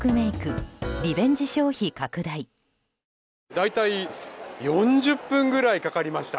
大体４０分ぐらいかかりました。